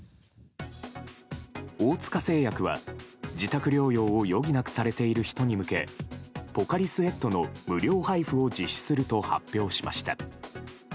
大塚製薬は、自宅療養を余儀なくされている人に向けポカリスエットの無料配布を実施すると発表しました。